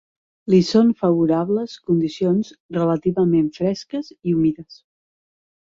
Li són favorables condicions relativament fresques i humides.